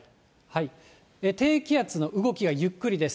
低気圧の動きがゆっくりです。